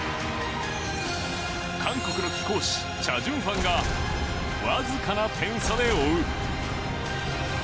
韓国の貴公子チャ・ジュンファンがわずかな点差で追う。